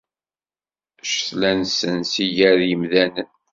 Ccetla-nsen si gar yimdanen.